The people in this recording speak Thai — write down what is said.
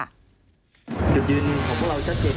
หยุดยืนของพวกเราอย่างชัดเก็บ